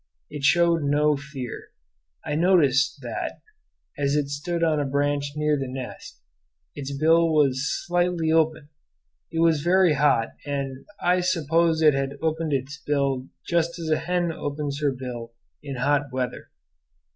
It showed no fear. I noticed that, as it stood on a branch near the nest, its bill was slightly open. It was very hot, and I suppose it had opened its bill just as a hen opens her bill in hot weather.